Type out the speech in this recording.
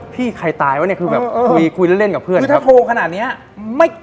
พี่ใครตายว่ะเนี่ยคือแบบคุยแล้วเล่นกับเพื่อนครับ